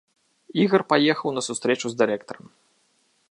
Ігар паехаў на сустрэчу с дырэктарам.